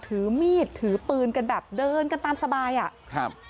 ถือมีดถือปืนกันแบบเดินกันตามสบายอ่ะครับ